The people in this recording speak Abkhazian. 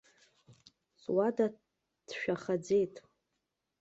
Суада ҭшәахаӡеит.